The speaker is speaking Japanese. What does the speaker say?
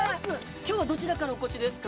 きょうはどちらからお越しですか。